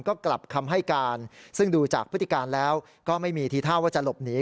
ก็กลับคำให้การซึ่งดูจากพฤติการแล้วก็ไม่มีทีท่าว่าจะหลบหนี